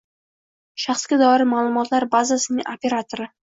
shaxsga doir ma’lumotlar bazasining operatori